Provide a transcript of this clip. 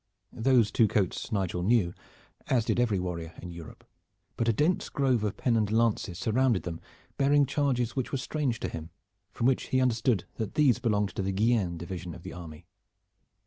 These two coats Nigel knew, as did every warrior in Europe, but a dense grove of pennoned lances surrounded them, bearing charges which were strange to him, from which he understood that these belonged to the Guienne division of the army.